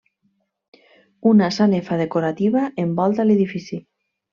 Una sanefa decorativa envolta l'edifici.